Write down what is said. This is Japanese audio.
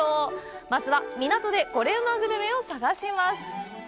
まずは港でコレうまグルメを探します。